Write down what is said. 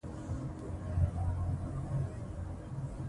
عامه سرچینې د ضایع کېدو څخه ساتل کېږي.